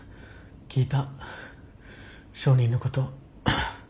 聞いた証人のこと。